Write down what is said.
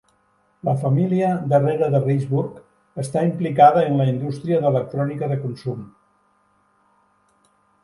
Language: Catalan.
La família darrere de Richburg està implicada en la indústria d'electrònica de consum.